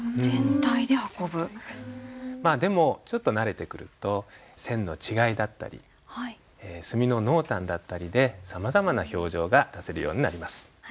まあでもちょっと慣れてくると線の違いだったり墨の濃淡だったりでさまざまな表情が出せるようになります。